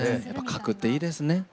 やっぱ書くっていいですね。